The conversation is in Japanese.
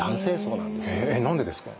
え何でですか？